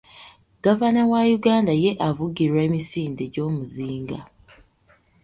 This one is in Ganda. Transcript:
Gavana wa Uganda ye avugirwa emisinde gy'omuzinga.